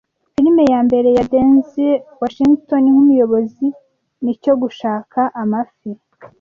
Filime ya mbere ya Denzil Washington nkumuyobozi nicyo Gushaka Amafi